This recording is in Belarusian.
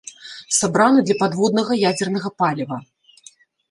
Сабраны для падводнага ядзернага паліва.